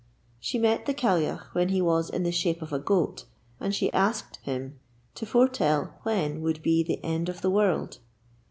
She met the Caillagh when he was in the shape of a goat, and she asked him to foretell when would be the end of the world.